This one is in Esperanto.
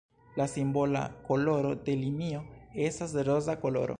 La simbola koloro de linio estas roza koloro.